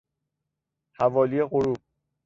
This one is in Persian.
حوالی غروب